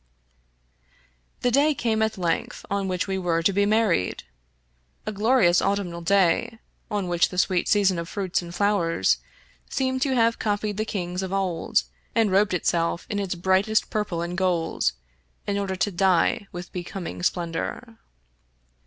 The day came at length on which we were to be mar ried — a glorious autumnal day, on which the sweet season of fruits and flowers seemed to have copied the kings of 58 Fitzjames O'Brien old, and robed itself in its brightest purple and gold, in order to die with becoming splendor.